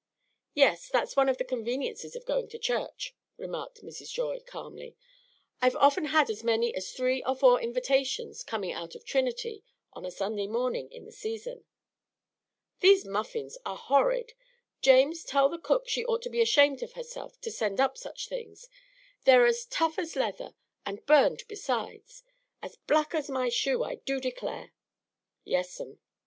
"Yes, that's one of the conveniences of going to church," remarked Mrs. Joy, calmly. "I've often had as many as three or four invitations, coming out of Trinity on a Sunday morning in the season. These muffins are horrid. James, tell the cook she ought to be ashamed of herself to send up such things. They're as tough as leather, and burned besides as black as my shoe, I do declare." "Yes, 'm."